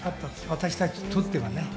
私たちにとってはね。